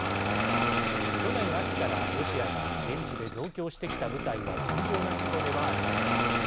去年秋からロシアが現地で増強してきた部隊は尋常な規模ではありません。